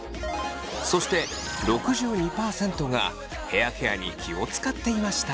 そして６２％がヘアケアに気を使っていました。